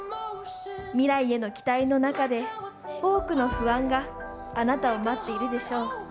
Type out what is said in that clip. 未来への期待の中で多くの不安があなたを待っているでしょう。